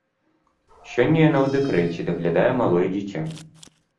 Сёння яна ў дэкрэце, даглядае малое дзіця.